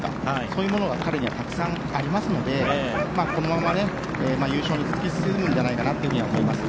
そういうものが彼にはたくさんありますのでこのまま優勝に突き進むんじゃないかなと思います。